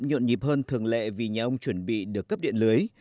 nhộn nhịp hơn thường lệ vì nhà ông chuẩn bị được cấp điện lưới